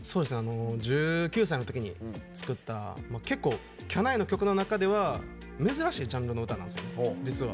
１９歳のときに作った結構、きゃないの曲の中では珍しいジャンルの歌なんです実は。